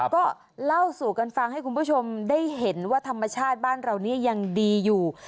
ก็เล่าสู่กันฟังให้คุณผู้ชมได้เห็นว่าธรรมชาติบ้านเราเนี่ยยังดีอยู่